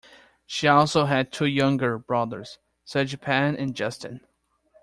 She also had two younger brothers, Stjepan and Justin.